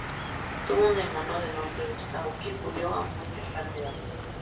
Tuvo un hermano de nombre Gustavo, quien murió a muy temprana edad.